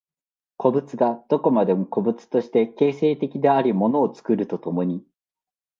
個物がどこまでも個物として形成的であり物を作ると共に、